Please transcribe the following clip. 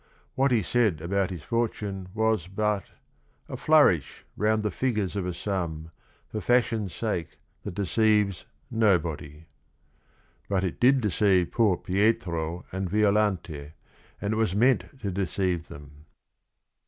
What he said about his fortune was but f'A flourish round the figures of a sum, For fashion's sake that deceives nobody." But it did deceive poor Pietro and Violante, and it was meant to deceive them.